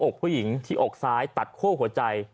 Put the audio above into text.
ผู้หญิงที่อกซ้ายตัดคั่วหัวใจ